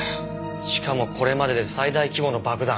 しかもこれまでで最大規模の爆弾。